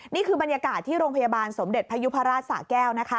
นี่คือบรรยากาศที่โรงพยาบาลสมเด็จพยุพราชสะแก้วนะคะ